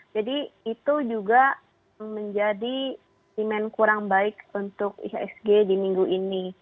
jadi itu juga menjadi simen kurang baik untuk ihsg di minggu ini